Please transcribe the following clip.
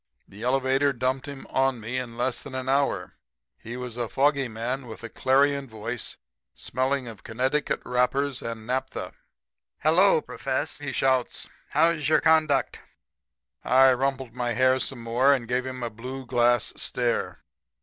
The elevator dumped him on me in less than an hour. He was a foggy man with a clarion voice, smelling of Connecticut wrappers and naphtha. "'Hello, Profess!' he shouts. 'How's your conduct?' "I rumpled my hair some more and gave him a blue glass stare.